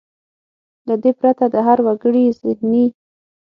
له دې پرته د هر وګړي زهني .